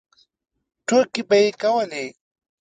ټوکې به یې کولې.